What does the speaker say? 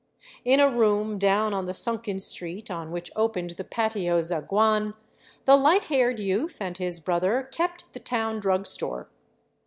In a room down on the sunken street on which opened the patio zaguan, the light haired youth and his brother kept the town drugstore.